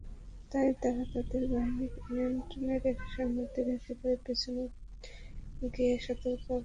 তাই তারা তাদের বাহিনীকে নিয়ন্ত্রণে রেখে সৈন্যদের একেবারে পেছনে গিয়ে সতর্ক অবস্থান নেয়।